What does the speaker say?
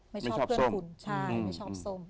ไม่ชอบเพื่อนคุณใช่ไม่ชอบส้ม